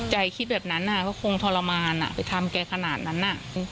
ใจคิดแบบนั้นอะก็คงทรมานอะไปทำแก่ขนาดนั้นน่ะ